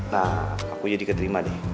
nah aku jadi keterima nih